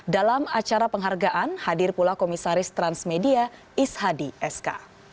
dalam acara penghargaan hadir pula komisaris transmedia is hadi sk